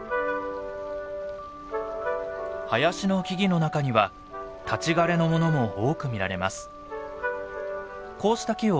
林の木々の中には立ち枯れのものも多く見られます。